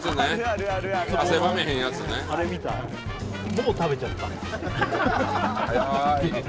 もう食べちゃった。